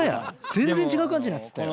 全然違う感じになってたよ。